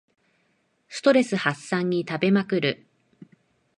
ストレス発散に食べまくる